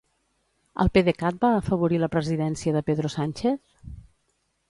El PDECat va afavorir la presidència de Pedro Sánchez?